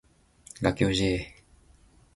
楽器ほしい